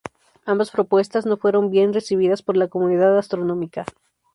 Ambas propuestas no fueron bien recibidas por la comunidad astronómica.